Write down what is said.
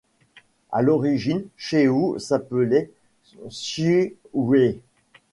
À l’origine Chéoux s’appelait Chyouet.